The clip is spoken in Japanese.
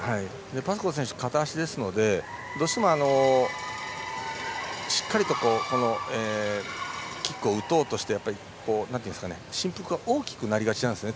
パスコー選手は片足なので、どうしてもしっかりとキックを打とうとして振幅が大きくなりがちなんですね。